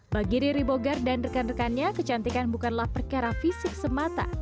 bagi riri bogar dan rekan rekannya kecantikan bukanlah perkara fisik semata